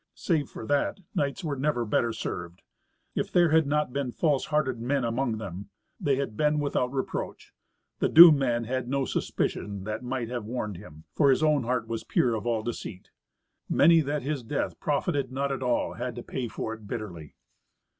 Save for that, knights were never better served. If there had not been false hearted men among them, they had been without reproach. The doomed man had no suspicion that might have warned him, for his own heart was pure of all deceit. Many that his death profited not at all had to pay for it bitterly.